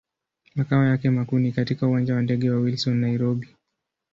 Makao yake makuu ni katika Uwanja wa ndege wa Wilson, Nairobi.